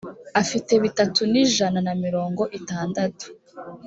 afite bitatu n’ijana na mirongo itandatu